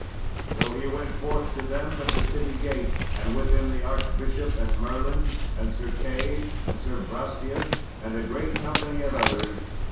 So he went forth to them to the city gate, and with him the archbishop and Merlin, and Sir Key, Sir Brastias, and a great company of others.